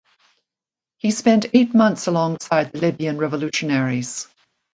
He spent eight months alongside the Libyan revolutionaries.